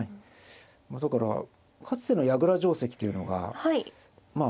だからかつての矢倉定跡っていうのがまあ